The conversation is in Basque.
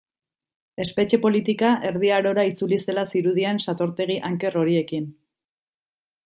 Espetxe politika Erdi Arora itzuli zela zirudien satortegi anker horiekin.